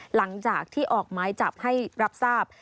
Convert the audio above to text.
หลังจากที่ออกไม้จับให้รับทราบ